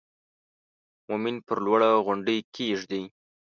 مومن پر لوړه غونډۍ کېږدئ.